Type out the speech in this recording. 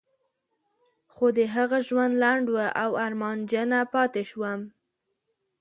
خو د هغه ژوند لنډ و او ارمانجنه پاتې شوم.